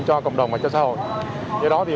cho cộng đồng và cho xã hội